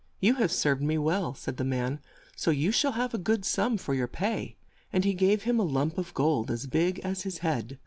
"You have served me well," said the man, "so you shall have a good sum for your pay," and he gave him a lump of gold as big as his head.